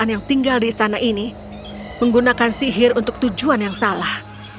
aku tidak merasa tinggal di istana ini menggunakan sihir untuk tujuan yang salah